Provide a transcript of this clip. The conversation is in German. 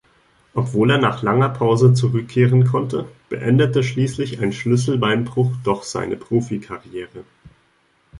Obwohl er nach langer Pause zurückkehren konnte, beendete schließlich ein Schlüsselbeinbruch doch seine Profikarriere.